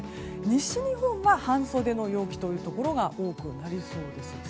西日本は半袖の陽気というところが多くなりそうです。